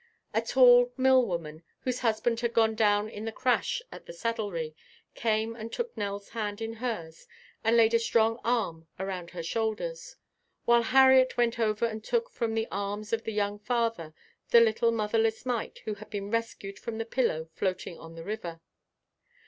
A tall mill woman, whose husband had gone down in the crash at the saddlery, came and took Nell's hand in hers and laid a strong arm around her shoulders, while Harriet went over and took from the arms of the young father the little motherless mite who had been rescued from the pillow floating on the river.